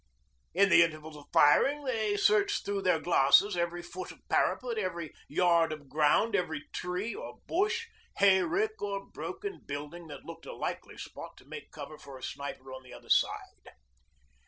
In the intervals of firing they searched through their glasses every foot of parapet, every yard of ground, every tree or bush, hayrick or broken building that looked a likely spot to make cover for a sniper on the other side.